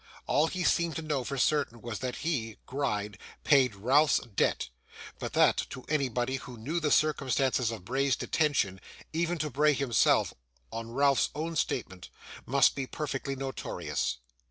All he seemed to know, for certain, was, that he, Gride, paid Ralph's debt; but that, to anybody who knew the circumstances of Bray's detention even to Bray himself, on Ralph's own statement must be perfectly notorious.